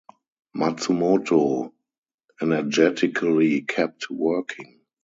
Matsumoto energetically kept working.